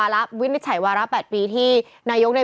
อาจจะบอกเลิกตีกันได้แล้ว